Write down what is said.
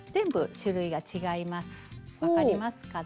分かりますかね？